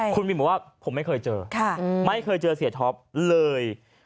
คุณบินบอกว่าผมไม่เคยเจอไม่เคยเจอเสียท็อปเลย